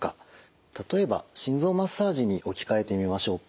例えば心臓マッサージに置き換えてみましょうか。